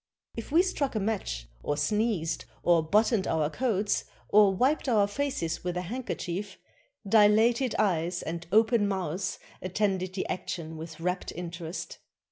If we struck a match, or sneezed, or buttoned our coats, or wiped our faces with a handkerchief, dilated eyes and open mouths attended the action with rapt interest.